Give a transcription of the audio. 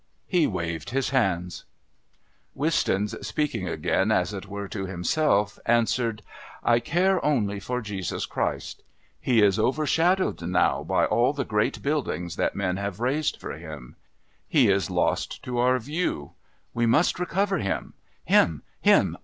He waved his hands. Wistons, speaking again as it were to himself, answered, "I care only for Jesus Christ. He is overshadowed now by all the great buildings that men have raised for Him. He is lost to our view; we must recover Him. Him! Him!